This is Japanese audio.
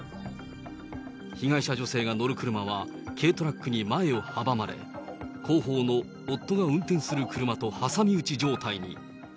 被害者女性が乗る車は、軽トラックに前を阻まれ、後方の夫が運転する車と挟み撃ち状態に。